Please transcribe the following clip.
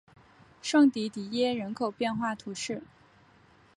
圣迪迪耶人口变化图示